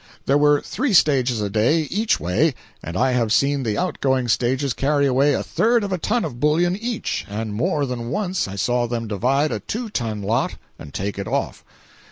There were three stages a day, each way, and I have seen the out going stages carry away a third of a ton of bullion each, and more than once I saw them divide a two ton lot and take it off.